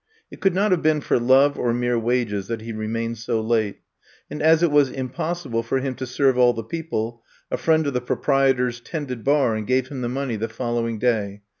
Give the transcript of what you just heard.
It could not have been for love or mere wages that he remained so late. And, as it was impossible for him to serve all the people, a friend of the proprietor's tended bar and gave him the money the following day.